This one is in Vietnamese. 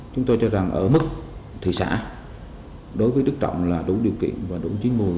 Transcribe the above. chúng tôi cho rằng ở mức thị xã đối với đức trọng là đủ điều kiện và đủ chín mùi